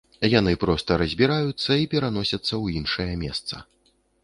Яны проста разбіраюцца і пераносяцца ў іншае месца.